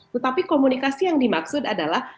tetapi komunikasi yang dimaksud adalah